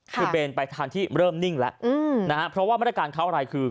คือเบนไปทางที่เริ่มนิ่งแล้วเพราะว่าไม่ได้การเคล้าอะไรคือ